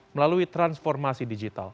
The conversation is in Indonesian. melalui transformasi digital